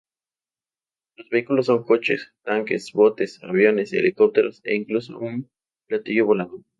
Los vehículos son coches, tanques, botes, aviones, helicópteros e incluso un platillo volador.